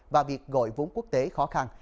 và việc gọi vốn quốc tế khó khăn